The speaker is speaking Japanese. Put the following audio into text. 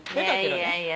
いやいや。